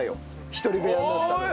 一人部屋になったの。